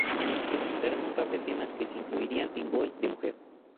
Se presentaron un par de temas que se incluirían en Gol de mujer.